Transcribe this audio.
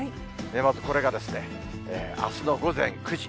まずこれが、あすの午前９時。